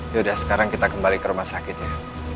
yaudah sekarang kita kembali ke rumah sakit ya